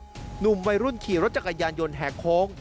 หนุ่มวัยรุ่นขี่รถจักรยานยนต์แห่โค้ง